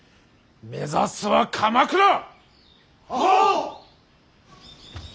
目指すは鎌倉！